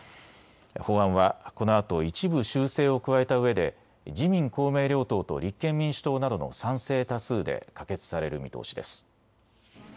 法案はこのあと一部修正を加えたうえで自民公明両党と立憲民主党などの賛成多数で可決される見通しです。